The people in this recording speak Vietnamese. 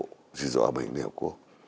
tốt nhiệm vụ di dự hòa bình liên hợp quốc